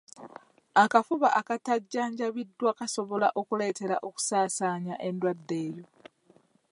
Akafuba akatajjanjabiddwa kasobola okukuleetera okusaasaanya endwadde eyo.